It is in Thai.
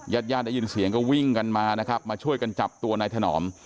ญาติญาติได้ยินเสียงก็วิ่งกันมานะครับมาช่วยกันจับตัวนายถนอม